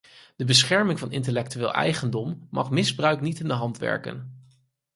De bescherming van intellectuele eigendom mag misbruik niet in de hand werken.